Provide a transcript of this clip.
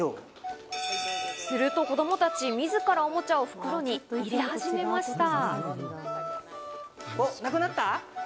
すると子供たち自らおもちゃを袋に入れ始めました。